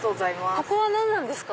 ここは何なんですか？